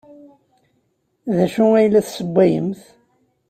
D acu ay la ssewwayent?